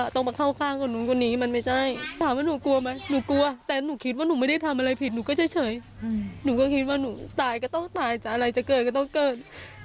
ถ้าคิดว่าหนูตายก็ต้องตายจะอะไรจะเกิดก็ต้องเกิด